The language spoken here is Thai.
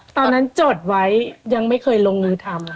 ตอนนั้นจดไว้ยังไม่เคยลงมือทำค่ะ